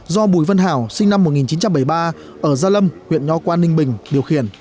do bùi văn hảo sinh năm một nghìn chín trăm bảy mươi ba ở gia lâm huyện nho quan ninh bình điều khiển